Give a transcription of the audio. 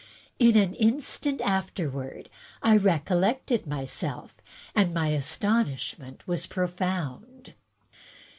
In an instant afterward I recollected myself, and my astonishment was profound.